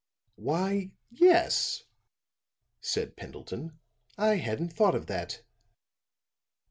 "Why, yes," said Pendleton. "I hadn't thought of that."